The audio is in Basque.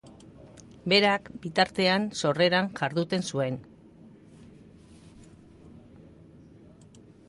Berak, bitartean, sorreran jarduten zuen.